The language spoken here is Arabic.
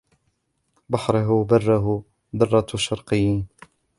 بحره برّه درّة الشرقين